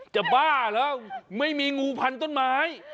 บ้าเหรอไม่มีงูพันต้นไม้